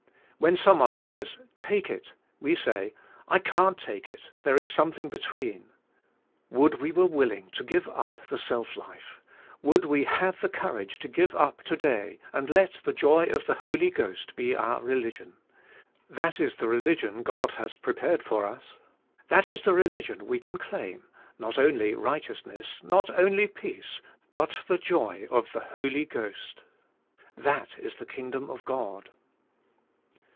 When some one says, "Take it," we say, "I can't take it; there is something be tween." Would we were willing to give up the self life; would we had the courage to give up to day, and let the joy of the Holy Ghost be our religion. That is the religion God has prepared for us; that is the religion we can claim; not only righteousness, not only peace, but the joy of the Holy Ghost. That is the Kingdom of God.